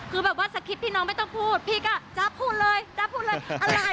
คือแบบว่าสคริปต์พี่น้องไม่ต้องพูดพี่ก็จ๊ะพูดเลยจ๊ะพูดเลยอะไร